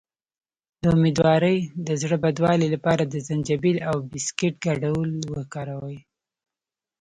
د امیدوارۍ د زړه بدوالي لپاره د زنجبیل او بسکټ ګډول وکاروئ